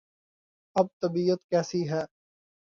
اب طبیعت کیسی ہے؟